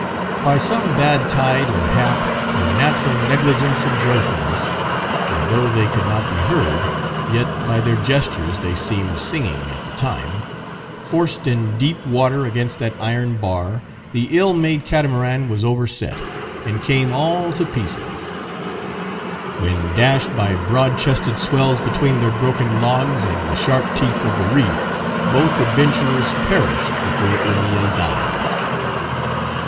By some bad tide or hap, or natural negligence of joyfulness (for though they could not be heard, yet by their gestures they seemed singing at the time) forced in deep water against that iron bar, the ill made catamaran was overset, and came all to pieces; when dashed by broad chested swells between their broken logs and the sharp teeth of the reef, both adventurers perished before Hunilla's eyes.